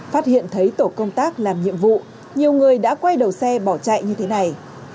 phát hiện thấy tổ công tác làm nhiệm vụ nhiều người đã quay đầu xe bỏ chạy như thế này